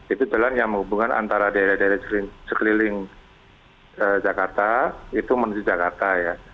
itu jalan yang menghubungkan antara daerah daerah sekeliling jakarta itu menuju jakarta ya